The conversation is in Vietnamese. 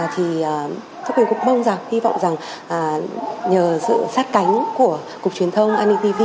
thì thu quỳnh cũng mong rằng hy vọng rằng nhờ sự sát cánh của cục truyền thông ani tv